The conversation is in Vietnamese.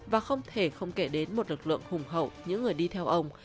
và không thể không kể đến một lực lượng hùng hậu những người đi theo ông